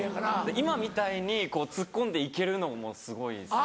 今みたいにツッコんで行けるのもすごいですよね。